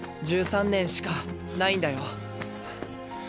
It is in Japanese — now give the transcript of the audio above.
１３年しかないんだよ？